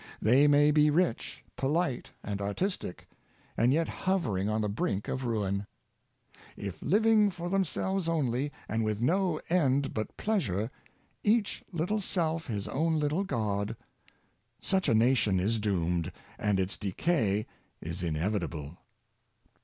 They may be rich, polite, and artistic, and yet hovering on the brink of ruin. If liv Individual Character, 87 ing for themselves only, and with no end but pleasure — each little self his own little god — such a nation is doomed, and its decay is inevitable.